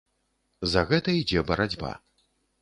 За гэта ідзе барацьба.